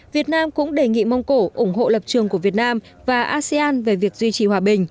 việt nam cũng đề nghị mông cổ ủng hộ lập trường của việt nam và asean về việc duy trì hòa bình